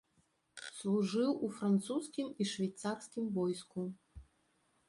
Служыў у французскім і швейцарскім войску.